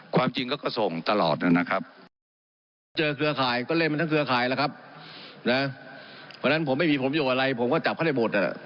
ความจริงก็ส่งตลอดนึงนะครับ